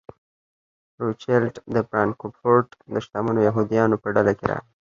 روچیلډ د فرانکفورټ د شتمنو یهودیانو په ډله کې راغی.